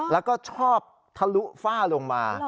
แล้วก็ชอบทะลุฝ้าลงมา